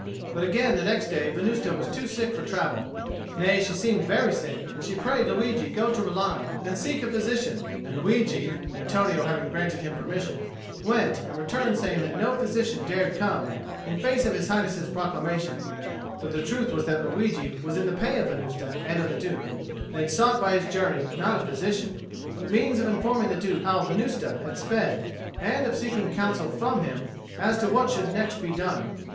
But again the next day Venusta was too sick for travel; nay, she seemed very sick, and she prayed Luigi to go to Rilano and seek a physician; and Luigi, Antonio having granted him permission, went, and returned saying that no physician dared come in face of His Highness's proclamation; but the truth was that Luigi was in the pay of Venusta and of the Duke, and had sought by his journey not a physician, but means of informing the Duke how Venusta had sped, and of seeking counsel from him as to what should next be done.